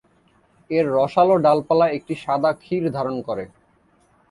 এর রসালো ডালপালা একটি সাদা ক্ষীর ধারণ করে।